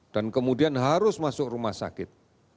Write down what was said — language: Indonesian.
dan kemudian harus masuk rumah sakit